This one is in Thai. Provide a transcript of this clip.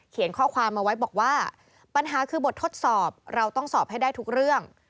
ข้อความมาไว้บอกว่าปัญหาคือบททดสอบเราต้องสอบให้ได้ทุกเรื่อง